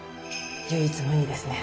唯一無二ですね。